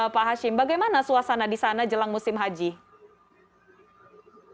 pak hashim bagaimana suasana di sana jelang musim haji